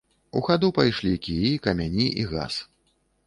У хаду пайшлі кіі, камяні і газ.